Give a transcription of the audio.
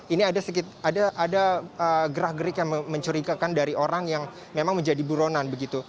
ini ada gerak gerik yang mencurigakan dari orang yang memang menjadi buronan begitu